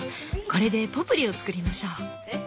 これでポプリを作りましょう。